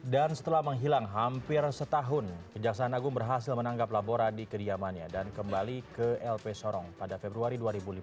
dan setelah menghilang hampir setahun kejaksaan agung berhasil menanggap labora di kediamannya dan kembali ke lp sorong pada februari dua ribu lima belas